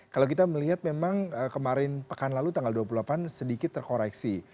kalau kita melihat memang kemarin pekan lalu tanggal dua puluh delapan sedikit terkoreksi